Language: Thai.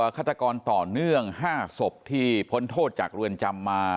ฆาตกรต่อเนื่อง๕ศพที่พ้นโทษจากเรือนจำมา